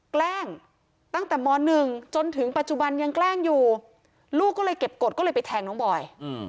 แกล้งตั้งแต่ม๑จนถึงปัจจุบันยังแกล้งอยู่ลูกก็เลยเก็บกฎก็เลยไปแทงน้องบอย